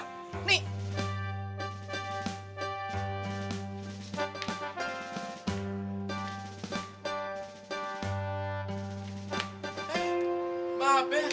eh mbah be